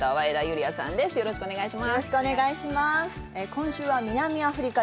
今週は南アフリカ。